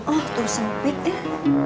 oh tuh sempit deh